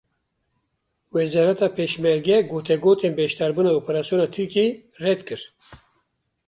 Wezareta Pêşmerge gotegotên beşdarbûna operasyona Tirkiyeyê red kir.